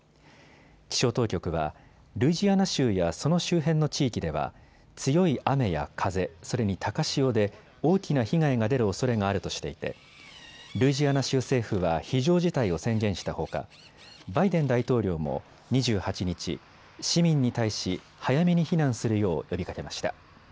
気象当局はルイジアナ州やその周辺の地域では強い雨や風、それに高潮で大きな被害が出るおそれがあるとしていてルイジアナ州政府は非常事態を宣言したほか、バイデン大統領も２８日、市民に対し早めに避難するよう呼びかけました。